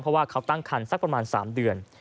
เพราะว่าเขาตั้งคันสักประมาณ๓เดือน